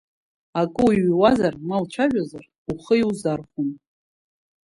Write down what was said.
Акы уҩуазар, ма уцәажәозар, ухы иузархәом.